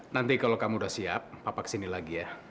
nanti kalau kamu udah siap papa kesini lagi ya